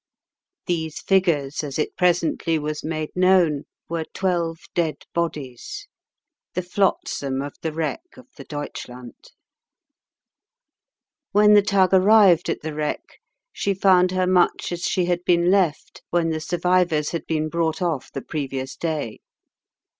These figures, as it presently was made known, were twelve dead bodies, the flotsam of the wreck of the Deutschland. When the tug arrived at the wreck she found her much as she had been left when the survivors had been brought off the previous day.